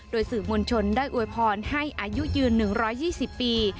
โดยสื่อมวลชนได้อวยพรให้อายุยืน๑๒๐ปี